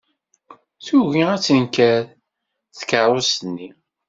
Tugi ad tenker tkeṛṛust-nni.